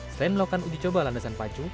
selain melakukan uji coba landasan pacu